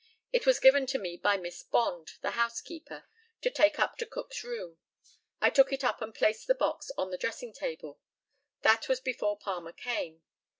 It was given to me by Miss Bond, the housekeeper, to take up to Cook's room. I took it up and placed the box on the dressing table. That was before Palmer came.